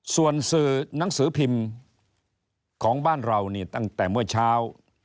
ส่วนสื่อหนังสือพิมพ์ของบ้านเรานี่ตั้งแต่เมื่อเช้า